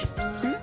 ん？